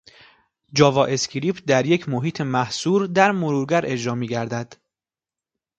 جاواسکریپت در یک محیط محصور در مرورگر اجرا میگردد